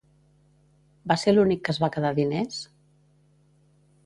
Va ser l'únic que es va quedar diners?